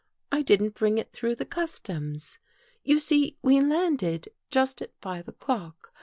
I didn't bring it through the customs. You see we landed just at five o'clock.